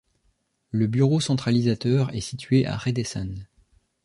Le bureau centralisateur est situé à Redessan.